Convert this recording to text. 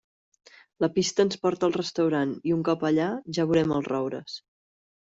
La pista ens porta al restaurant i, un cop allà, ja veurem els roures.